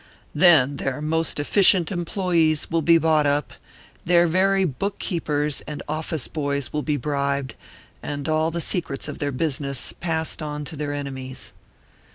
Then their most efficient employees will be bought up; their very bookkeepers and office boys will be bribed, and all the secrets of their business passed on to their enemies.